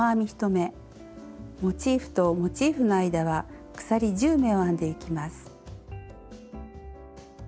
モチーフとモチーフの間は鎖１０目を編んでいきます。